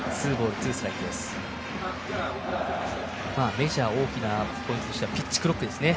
メジャー大きな変化としてはピッチクロックですね。